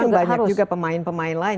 dan sekarang banyak juga pemain pemain lain